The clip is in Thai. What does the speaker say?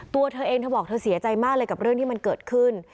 ตัวเธอเองเธอบอกเธอเสียใจมากเลยกับเรื่องที่มันเกิดขึ้น